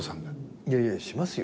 いやいやしますよ。